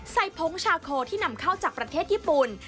ผงชาโคที่นำเข้าจากประเทศญี่ปุ่น